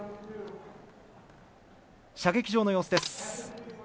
射撃場の様子です。